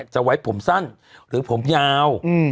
จะไว้ผมสั้นหรือผมยาว